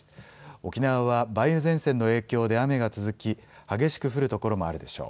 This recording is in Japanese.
沖縄は梅雨前線の影響で雨が続き激しく降る所もあるでしょう。